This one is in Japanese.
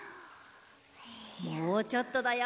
もうちょっとだよ。